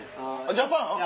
ジャパン？